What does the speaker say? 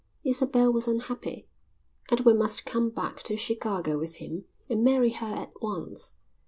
Isabel was unhappy. Edward must come back to Chicago with him and marry her at once.